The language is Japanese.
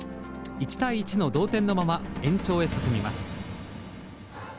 １対１の同点のまま延長へ進みます。